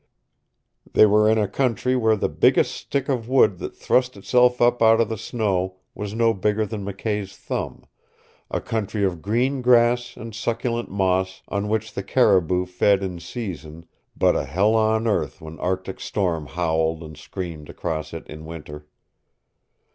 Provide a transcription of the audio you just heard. They were in a country where the biggest stick of wood that thrust itself up out of the snow was no bigger than McKay's thumb; a country of green grass and succulent moss on which the caribou fed in season, but a hell on earth when arctic storm howled and screamed across it in winter.